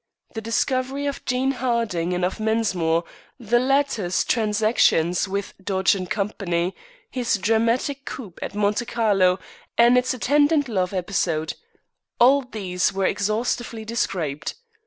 The discovery of Jane Harding and of Mensmore, the latter's transactions with Dodge & Co., his dramatic coup at Monte Carlo and its attendant love episode all these were exhaustively described.